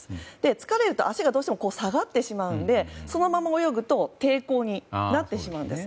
疲れると足が下がってしまうのでそのまま泳ぐと抵抗になってしまうんです。